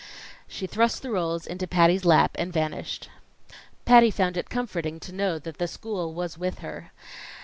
She thrust the rolls into Patty's lap and vanished. Patty found it comforting to know that the school was with her.